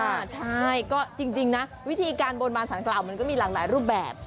ใช่ก็จริงนะวิธีการบนบานสารกล่าวมันก็มีหลากหลายรูปแบบ